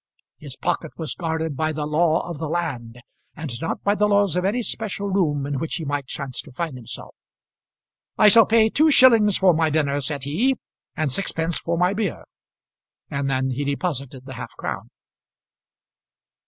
His pocket was guarded by the law of the land, and not by the laws of any special room in which he might chance to find himself. "I shall pay two shillings for my dinner," said he, "and sixpence for my beer;" and then he deposited the half crown.